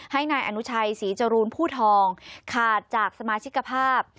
ให้นายอนุชัยศรีจรูนผู้ทองขาดจากสมาชิกภาพ